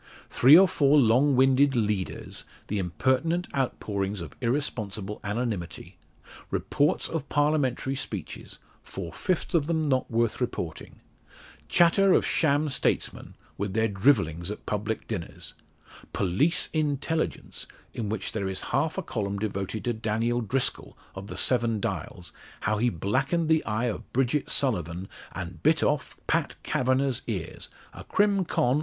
Three or four long winded "leaders," the impertinent outpourings of irresponsible anonymity; reports of Parliamentary speeches, four fifths of them not worth reporting; chatter of sham statesmen, with their drivellings at public dinners; "Police intelligence," in which there is half a column devoted to Daniel Driscoll, of the Seven Dials, how he blackened the eye of Bridget Sullivan, and bit off Pat Kavanagh's ear, a _crim. con.